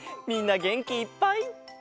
みんなげんきいっぱい！